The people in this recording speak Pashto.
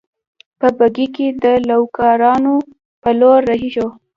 په بګۍ کې د لوکارنو په لور رهي شوو.